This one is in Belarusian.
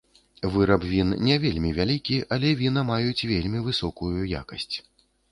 Выраб він не вельмі вялікі, але віна маюць вельмі высокую якасць.